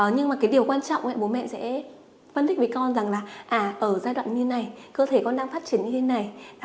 nhưng mà cái điều quan trọng là bố mẹ sẽ phân thích với con rằng là ở giai đoạn như này cơ thể con đang phát triển như thế này